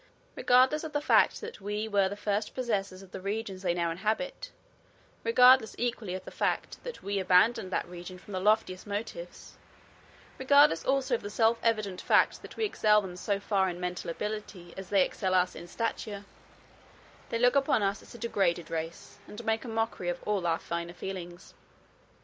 Regardless of the fact that we were the first possessors of the regions they now inhabit; regardless equally of the fact that we abandoned that region from the loftiest motives; regardless also of the self evident fact that we excel them so far in mental ability as they excel us in stature, they look upon us as a degraded race and make a mockery of all our finer feelings.